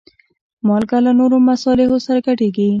مالګه له نورو مصالحو سره ګډېږي.